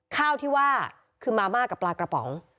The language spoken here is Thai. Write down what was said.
ข้าวที่ว่าคือมาม่ากับปลากระป๋อง